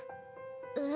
え？